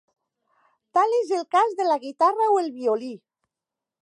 Tal és el cas de la guitarra o el violí.